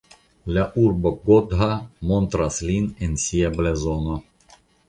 La urbo Gotha montras lin en sia blazono.